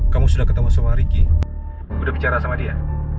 kamu sudah ketemu sama riki udah bicara sama dia